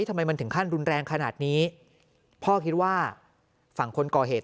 ทำไมมันถึงขั้นรุนแรงขนาดนี้พ่อคิดว่าฝั่งคนก่อเหตุ